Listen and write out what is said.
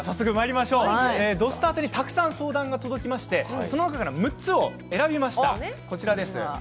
「土スタ」宛にたくさん相談がありましてその中から６つを選びましたこちらです。